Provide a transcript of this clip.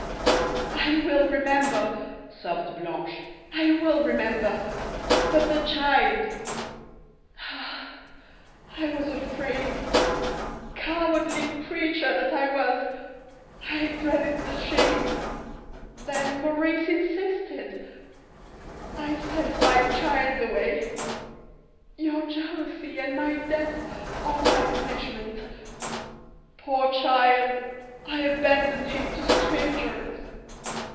"I will remember," sobbed Blanche; "I will remember. But the child " "Ah! I was afraid cowardly creature that I was! I dreaded the shame then Maurice insisted I sent my child away your jealousy and my death are my punishment. Poor child! I abandoned him to strangers.